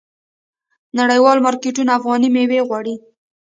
نړیوال مارکیټونه افغاني میوې غواړي.